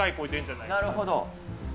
なるほど。